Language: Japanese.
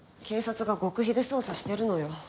警察が極秘で捜査してるのよ。